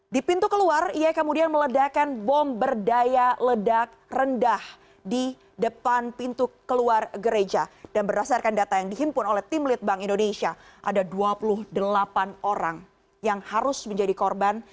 di pintu keluar ia kemudian meledakan bom berdaya ledak rendah di depan pintu keluar gereja dan berdasarkan data yang dihimpun oleh tim lead bank indonesia ada dua puluh delapan orang yang harus menjadi korban